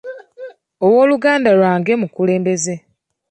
Ow'oluganda lwange mukulembeze.